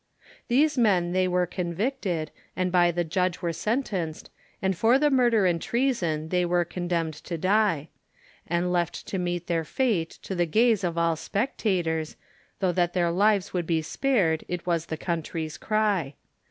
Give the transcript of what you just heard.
These men they were convicted, and by the judge was sentenced, And for murder and treason they were condemned to die, And left to meet their fate to the gaze of all spectators, Tho' that their lives would be spared it was the country's cry.